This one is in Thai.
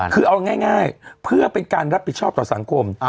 คือเอาง่ายเพื่อเป็นการรับผิดชอบต่อสังคม